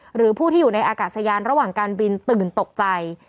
หรือผู้ที่อยู่ในอากาศยานระหว่างการบินตื่นตกใจ